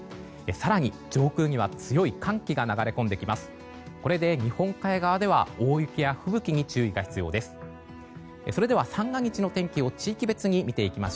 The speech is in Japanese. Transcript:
更に、上空には強い寒気が流れ込んできます。